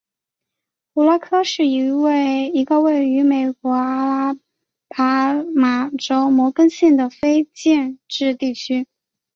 胡拉科是一个位于美国阿拉巴马州摩根县的非建制地区。